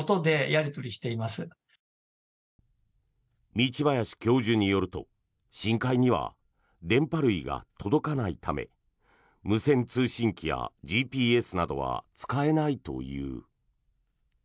道林教授によると深海には電波類が届かないため無線通信機やＧＰＳなどは使えないという。